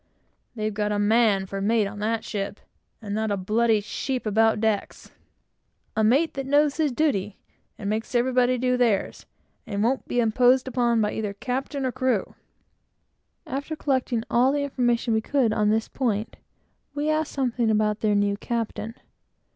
"They've got a man for mate of that ship, and not a bloody sheep about decks!" "A mate that knows his duty, and makes everybody do theirs, and won't be imposed upon either by captain or crew." After collecting all the information we could get on this point, we asked something about their new captain.